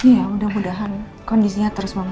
ya mudah mudahan kondisinya terus memaiki bu